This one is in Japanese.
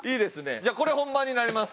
じゃあこれ本番になります。